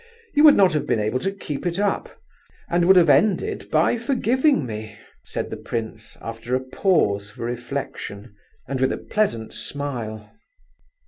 You would not have been able to keep it up, and would have ended by forgiving me," said the prince, after a pause for reflection, and with a pleasant smile.